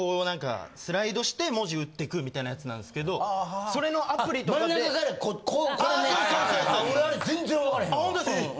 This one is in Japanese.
なんか、スライドして文字打ってくみたいなやつなんですけど、それのアプ真ん中から、これね。